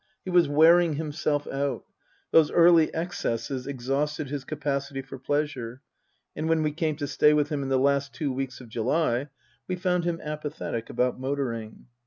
He was wearing himself out. Those early excesses exhausted his capacity for pleasure, and when we came to stay with him in the last two weeks of July we found him apathetic about motoring.